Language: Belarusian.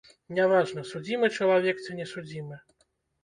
Не важна, судзімы чалавек, ці не судзімы.